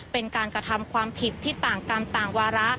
เป็นการกระทำความผิดที่ต่างกรรมต่างวาระ